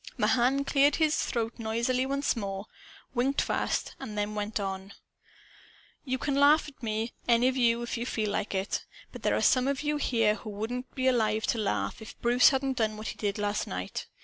Mahan cleared his throat noisily once more, winked fast, then went on: "You can laugh at me, if any of you feel like it. But there's some of you here who wouldn't be alive to laugh, if Bruce hadn't done what he did last night.